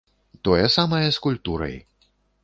Тое самае з культурай.